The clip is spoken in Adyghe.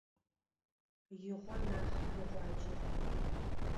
Игъо нахь, игъуаджэп.